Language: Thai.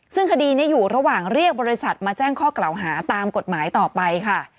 ซึ่งคดีนี้อยู่ระหว่างเรียกบริษัทมาแจ้งข้อกล่าวหาตามกฎหมายต่อไปค่ะ